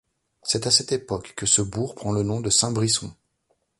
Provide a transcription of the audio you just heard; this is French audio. C'est à cette époque que ce bourg prend le nom de Saint-Brisson.